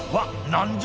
何じゃ？